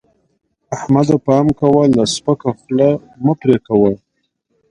احمده! پام کوه؛ له سپکه خوله مه پرې کوه.